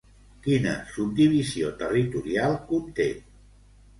Quina subdivisió territorial conté?